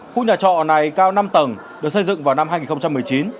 khu nhà trọ này cao năm tầng được xây dựng vào năm hai nghìn một mươi chín